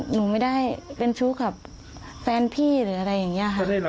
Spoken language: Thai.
หนูไม่ได้เป็นชู้กับแฟนพี่หรืออะไรอย่างนี้ค่ะ